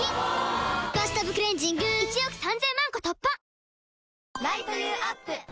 「バスタブクレンジング」１億３０００万個突破！